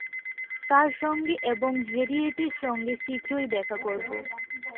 তার সঙ্গে এবং হ্যারিয়েটের সঙ্গে শীঘ্রই দেখা করব।